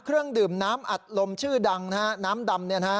เครื่องดื่มน้ำอัดลมชื่อดังนะฮะน้ำดำ